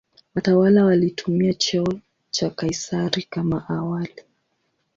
Watawala walitumia cheo cha "Kaisari" kama awali.